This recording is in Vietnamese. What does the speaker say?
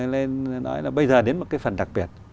nên nói là bây giờ đến một cái phần đặc biệt